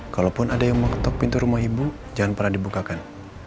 kalaupun ada yang mengetok pintu rumah ibu jangan pernah dibukakan